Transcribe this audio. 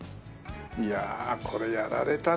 いやこれやられたな。